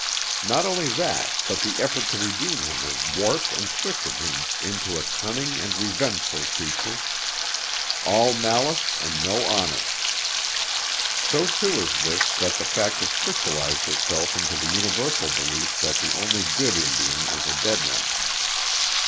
Not only that, but the effort to redeem him has warped and twisted him into a cunning and revengeful creature; all malice and no honor. So true is this that the fact has crystalized itself into the universal belief that the only good Indian is a dead one.